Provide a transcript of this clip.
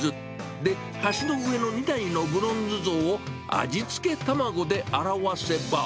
で、橋の上の２体のブロンズ像を味付け卵で表せば。